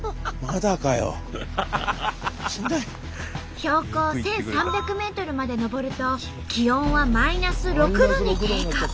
標高１，３００ｍまで登ると気温はマイナス６度に低下。